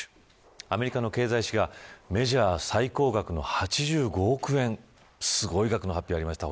アメリカの経済誌がメジャー最高額の８５億円すごい額の発表がありました。